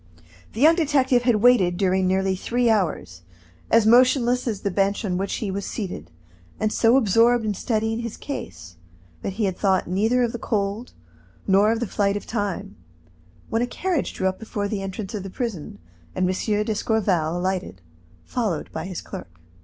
The young detective had waited during nearly three hours, as motionless as the bench on which he was seated, and so absorbed in studying his case that he had thought neither of the cold nor of the flight of time, when a carriage drew up before the entrance of the prison, and M. d'Escorval alighted, followed by his clerk.